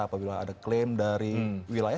apabila ada klaim dari wilayah